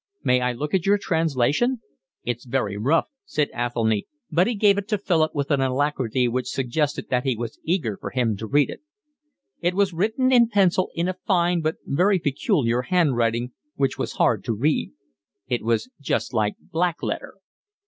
"May I look at your translation?" "It's very rough," said Athelny, but he gave it to Philip with an alacrity which suggested that he was eager for him to read it. It was written in pencil, in a fine but very peculiar handwriting, which was hard to read: it was just like black letter.